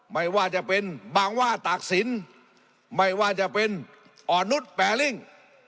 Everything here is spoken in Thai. ไม่ว่าจะเป็นบางว่าตากศิลป์ไม่ว่าจะเป็นอ่อนนุษย์แปรลิ่ง